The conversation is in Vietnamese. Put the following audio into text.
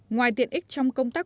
ngoài tiện ích trong công tác